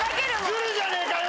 ズルじゃねえかよ！